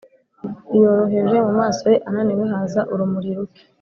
yoroheje mumaso ye ananiwe haza urumuri ruke;